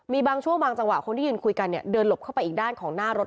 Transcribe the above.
มีบางช่วงบางจังหวะคนที่ยืนคุยกันเนี่ยเดินหลบเข้าไปอีกด้านของหน้ารถ